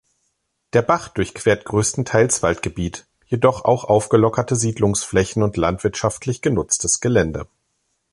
Der Bach durchquert größtenteils Waldgebiet, jedoch auch aufgelockerte Siedlungsfläche und landwirtschaftlich genutztes Gelände.